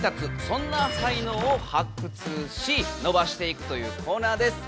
そんな才能を発掘し伸ばしていくというコーナーです。